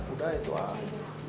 udah itu aja